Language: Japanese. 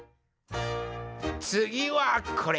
つぎはこれ！